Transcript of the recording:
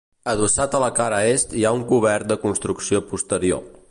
Adossat a la cara est hi ha un cobert de construcció posterior.